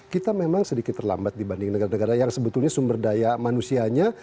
kita memang sedikit terlambat dibanding negara negara yang sebetulnya sumber daya manusianya